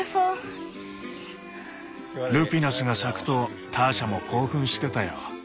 ルピナスが咲くとターシャも興奮してたよ。